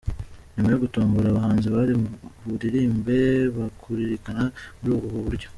Nyuma yo gutombora abahanzi bari buririrmbe bakurikirana muri ubu buryo:.